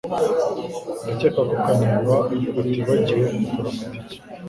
Ndakeka ko Kanimba atibagiwe kugura amatike